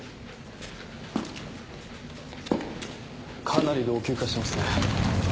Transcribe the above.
かなり老朽化してますね。